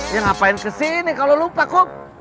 ya ngapain kesini kalo lupa kum